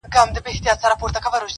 په کوهي کي لاندي څه کړې بې وطنه -